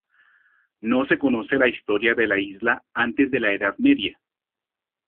No se conoce la historia de la isla antes de la Edad Media.